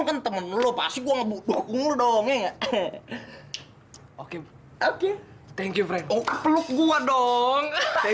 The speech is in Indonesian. bukan temen lo pas gua ngebuktuk ngur dong ya oke oke thank you friend peluk gua dong